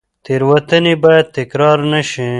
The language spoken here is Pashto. تېروتنې باید تکرار نه شي.